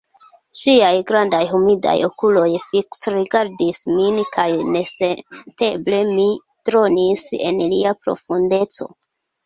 Ŝiaj grandaj humidaj okuloj fiksrigardis min kaj nesenteble mi dronis en ilia profundeco.